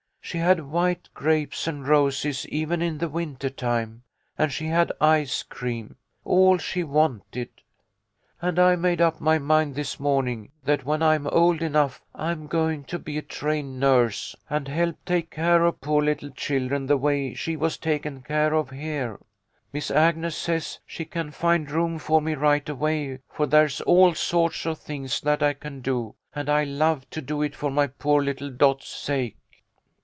She had white grapes and roses even in the winter time, and she had ice cream ! All she wanted. And I made up my mind this morning that when I'm old enough I am going 230 THE LITTLE COLONEL'S HOLIDAYS. to be a trained nurse and help take care of poor little children the way she was taken care of here. Miss Agnes says she can find room for me right away, for there's all sorts of things that I can do, and I'd love to do it for my poor little Dot's sake.'